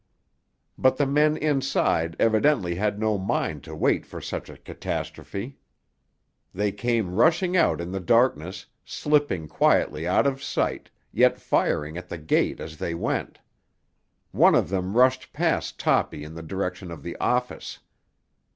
But the men inside evidently had no mind to wait for such a catastrophe. They came rushing out in the darkness, slipping quickly out of sight, yet firing at the gate as they went. One of them rushed past Toppy in the direction of the office.